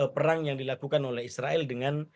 perang yang dilakukan oleh israel dengan